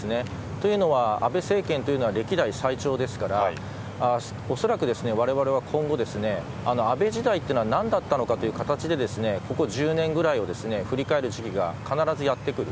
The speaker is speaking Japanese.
というのは、安倍政権というのは歴代最長ですからおそらく、われわれは今後安倍時代とは何だったのかという形でここ１０年くらいを振り返る時期が必ずやってくる。